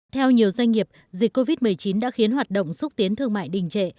theo nhiều doanh nghiệp dịch covid một mươi chín đã khiến hoạt động xúc tiến thương mại đình trệ